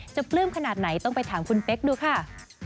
ปลื้มขนาดไหนต้องไปถามคุณเป๊กดูค่ะ